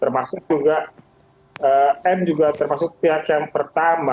termasuk juga m juga termasuk pihak yang pertama